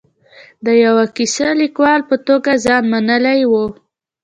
د یوه کیسه لیکوال په توګه ځان منلی و.